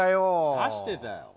出してたよ。